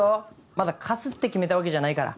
まだ貸すって決めたわけじゃないから。